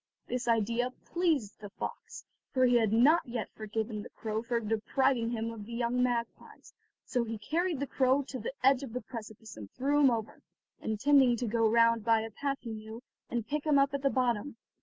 This idea pleased the fox, for he had not yet forgiven the crow for depriving him of the young magpies, so he carried the crow to the edge of the precipice and threw him over, intending to go round by a path he knew and pick him up at the bottom.